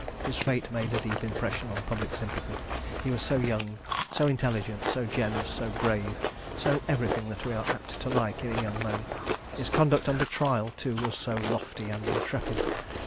His fate made a deep impression on public sympathy. He was so young so intelligent so generous so brave so everything that we are apt to like in a young man. His conduct under trial, too, was so lofty and intrepid!